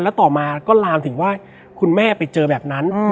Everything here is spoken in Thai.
แล้วต่อมาก็ลามถึงว่าคุณแม่ไปเจอแบบนั้น